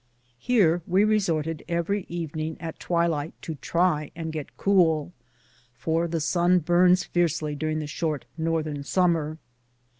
Ilere we resorted every evening at twilight to try and get cool, for the sun burns fiercely during the short Northern summer.